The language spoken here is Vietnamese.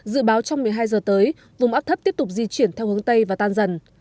dự báo trong một mươi hai giờ tới vùng áp thấp tiếp tục di chuyển theo hướng tây và tan dần